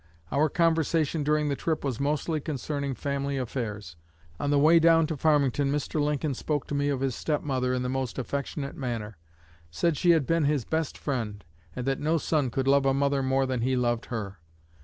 Our conversation during the trip was mostly concerning family affairs. On the way down to Farmington Mr. Lincoln spoke to me of his step mother in the most affectionate manner; said she had been his best friend, and that no son could love a mother more than he loved her.